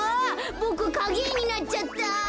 ボクかげえになっちゃった。